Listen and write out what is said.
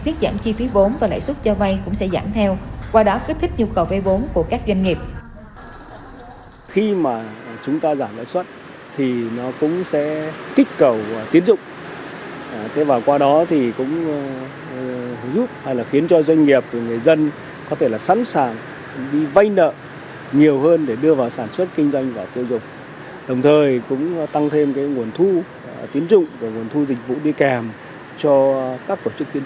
viết giảm chi phí vốn và lãi xuất cho vây cũng sẽ giảm theo qua đó kích thích nhu cầu vây vốn của các doanh nghiệp